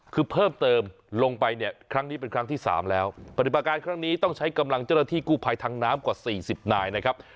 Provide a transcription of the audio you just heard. คือเพิ่มเติมลงไปเนี่ยครั้งนี้เป็นครั้งที่สามแล้วปฏิบัติการครั้งนี้ต้องใช้กำลังเจ้าหน้าที่กู้ภัยทางน้ำกว่าสี่สิบนายนะครับ